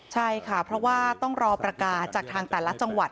ใช่ค่ะเพราะว่าต้องรอประกาศจากทางแต่ละจังหวัด